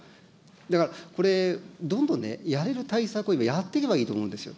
だからこれ、どんどんね、やれる対策をやっていけばいいと思うんですよ。